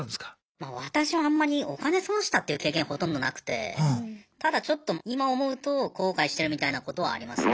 ま私はあんまりお金損したっていう経験ほとんどなくてただちょっと今思うと後悔してるみたいなことはありますね。